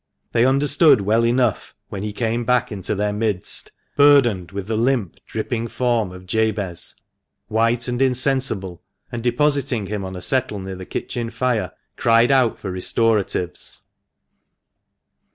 They understood well enough when he came back into their midst, burdened with the limp, dripping form of Jabez, white and insensible, and depositing him on a settle near the kitchen fire, cried out for restoratives.